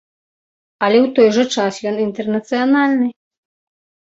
Але ў той жа час ён інтэрнацыянальны.